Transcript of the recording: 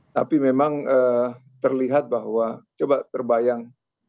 tapi memang terlihat bahwa coba terbayang